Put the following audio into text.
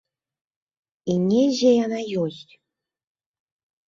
І недзе яна ёсць.